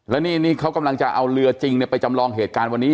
แล้วนี่เขากำลังจะเอาเรือจริงไปจำลองเหตุการณ์วันนี้